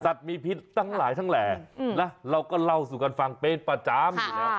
มีพิษตั้งหลายทั้งแหล่นะเราก็เล่าสู่กันฟังเป็นประจำอยู่แล้ว